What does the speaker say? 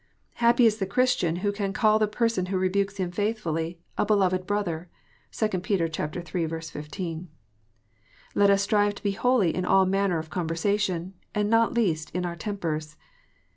Happy is the Christian who can call the person who rebukes him faithfully, a "beloved brother." (2 Peter iii. 15.) Let us strive to be holy in all manner of conversation, and not least in our tempers.